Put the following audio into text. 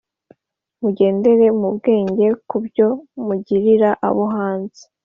Mugendere mu bwenge ku byo mugirira abo hanze